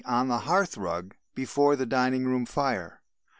_, on the hearth rug before the dining room fire.